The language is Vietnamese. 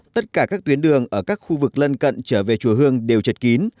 tất cả các tuyến đường ở các khu vực lân cận trở về chủ hương đều trật kín